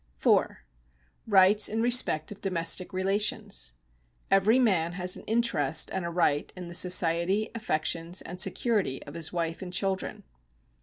(4) Rights in respect of domestic relations. — Every man has an interest and a right in the society, affections, and seciurity of his wife and children.